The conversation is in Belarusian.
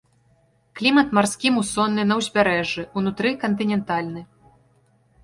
Клімат марскі мусонны на ўзбярэжжы, унутры кантынентальны.